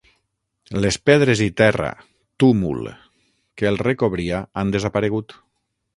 Les pedres i terra —túmul— que el recobria han desaparegut.